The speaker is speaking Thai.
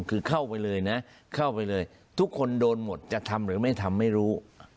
คือเข้าไปเลยทุกคนโดนหมดจะทำหรือไม่ทำไม่รู้